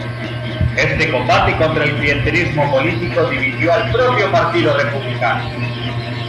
Este combate contra el clientelismo político dividió al propio Partido Republicano.